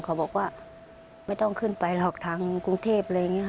เขาบอกว่าไม่ต้องขึ้นไปหรอกทางกรุงเทพอะไรอย่างนี้ค่ะ